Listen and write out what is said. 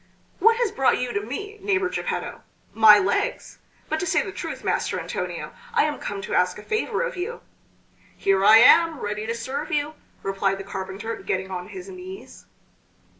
"What has brought you to me, neighbor Geppetto?" "My legs. But to say the truth, Master Antonio, I am come to ask a favor of you." "Here I am ready to serve you," replied the carpenter getting on his knees.